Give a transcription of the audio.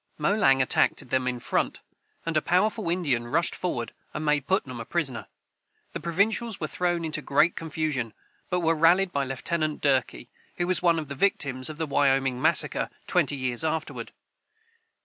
Molang attacked them in front, and a powerful Indian rushed forward and made Putnam a prisoner. The provincials were thrown into great confusion, but were rallied by Lieutenant Durkee, who was one of the victims of the Wyoming massacre twenty years afterward.